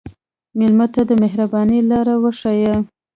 مېلمه ته د مهربانۍ لاره وښیه.